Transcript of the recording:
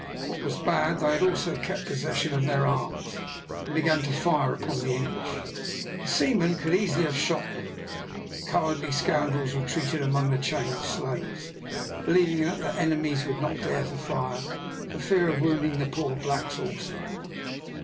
What was bad, they had also kept possession of their arms, and began to fire upon the English. The seamen could easily have shot them, but the cowardly scoundrels retreated among the chained slaves, believing that their enemies would not dare to fire, for fear of wounding the poor blacks also.